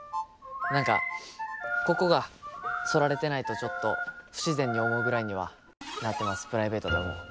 何かここが剃られてないとちょっと不自然に思うぐらいにはなってます。